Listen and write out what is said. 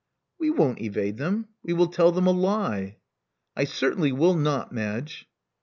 We won't evade them. We will tell them a lie." "I certainly will not, Madge."